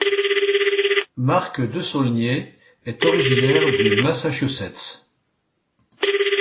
Mark DeSaulnier est originaire du Massachusetts.